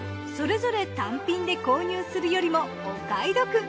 それぞれ単品で購入するよりもお買い得。